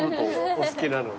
お好きなのを。